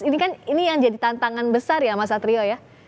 ini kan ini yang jadi tantangan besar ya mas satrio ya